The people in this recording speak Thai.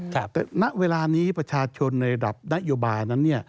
แต่ณเวลานี้ประชาชนในระดับนโยบายนั้น